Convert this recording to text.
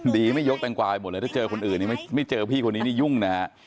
ดีไม่ยกแตงกวายหมดเลยถ้าเจอคนอื่นนี่ไม่เจอพี่คนนี้นี่ยุ่งนะฮะ